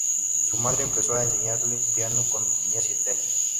Su madre empezó a enseñarle piano cuándo tenía siete años.